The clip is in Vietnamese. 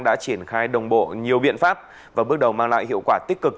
đã triển khai đồng bộ nhiều biện pháp và bước đầu mang lại hiệu quả tích cực